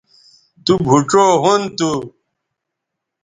تو بھوڇؤ ھُن تھو